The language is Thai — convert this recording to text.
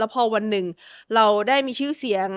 พอวันหนึ่งเราได้มีชื่อเสียง